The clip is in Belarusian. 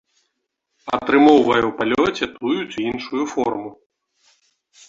Атрымоўвае у палёце тую ці іншую форму.